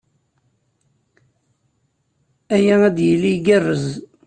Aya ad d-yili igerrrez.